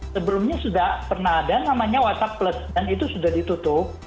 sebelumnya sudah pernah ada namanya whatsapp plus dan itu sudah ditutup